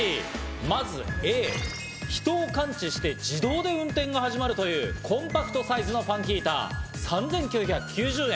まずＡ、人を感知して自動で運転が始まるというコンパクトサイズのファンヒーター、３９９０円。